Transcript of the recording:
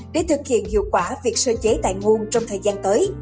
để thực hiện hiệu quả việc sơ chế tại nguồn trong thời gian tới